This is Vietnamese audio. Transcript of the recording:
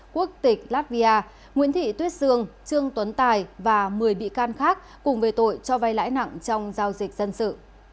quốc tịch latvia nguyễn thị tuyết sương trương tuấn tài và một mươi bị can khác cùng về tội cho vay lãi nặng trong giao dịch dân sự